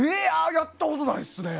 やったことないですね。